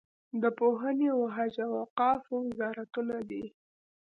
د پوهنې او حج او اوقافو وزارتونه دي.